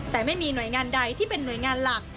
แต่ไม่มีหน่วยงานใดที่เป็นหน่วยงานหลัก